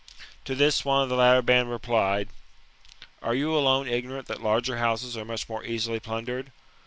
To this, one of the latter band replied, "Are you alone ignorant that larger houses are much more easily plundered